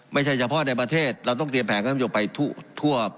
ไม่ใช่เฉพาะในประเทศเราต้องเตรียมแผนการประโยชนไปทั่ว